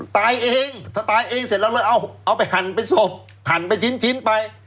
ตายเองถ้าตายเองเสร็จเราเลยเอาเอาไปหั่นเป็นศพหั่นเป็นชิ้นไป